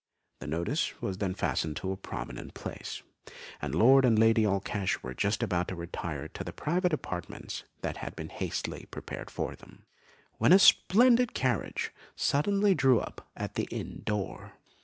The notice was then fastened in a prominent place; and Lord and Lady Allcash were just about to retire to the private apartments that had been hastily prepared for them, when a splendid carriage suddenly drew up at the inn door.